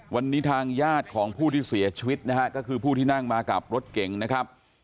วันนี้ทางญาติของผู้ที่เสียชีวิตนะฮะก็คือผู้ที่นั่งมากับรถเก่งนะครับ